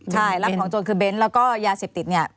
ใช่รับของโจรคือเบ้นแล้วก็ยาเสพติดเนี่ย